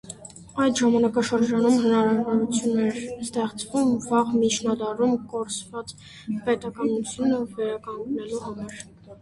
Այդ ժամանակաշրջանում հնարավորություն էր ստեղծվում վաղ միջնադարում կորսված պետականությունը վերականգնելու համար։